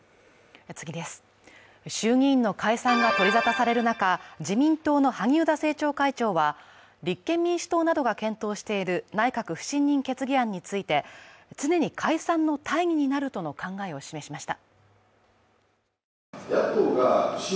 衆議院の解散が取りざたされる中、自民党の萩生田政調会長は、立憲民主党などが検討している内閣不信任決議案について常に解散の大義になるとの考えを示しました。